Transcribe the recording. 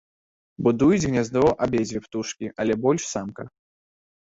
Будуюць гняздо абедзве птушкі, але больш самка.